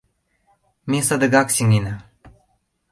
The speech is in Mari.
Ме садыгак сеҥена.